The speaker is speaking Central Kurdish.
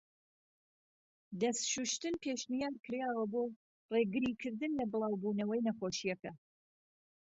دەست شووشتن پێشنیارکراوە بۆ ڕێگری کردن لە بڵاو بوونەوەی نەخۆشیەکە.